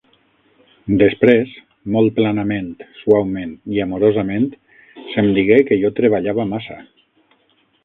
Després, molt planament, suaument i amorosament se'm digué que jo treballava massa.